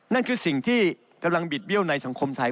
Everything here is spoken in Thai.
นั่นคือสิ่งที่กำลังบิดเบี้ยวในสังคมไทย